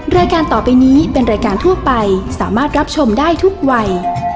รายการต่อไปนี้เป็นรายการทั่วไปสามารถรับชมได้ทุกวัย